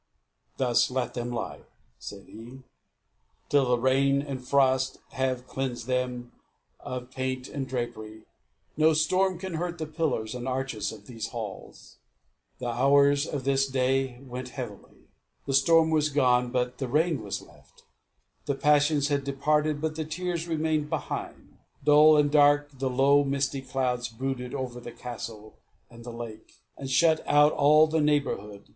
"Thus let them lie," said he, "till the rain and frost have cleansed them of paint and drapery: no storm can hurt the pillars and arches of these halls." The hours of this day went heavily. The storm was gone, but the rain was left; the passion had departed, but the tears remained behind. Dull and dark the low misty clouds brooded over the castle and the lake, and shut out all the neighbourhood.